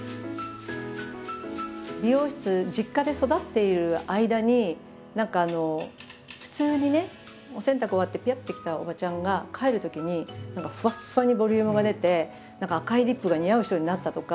美容室実家で育っている間に何か普通にねお洗濯終わってピュッて来たおばちゃんが帰るときにふわっふわにボリュームが出て何か赤いリップが似合う人になったとか。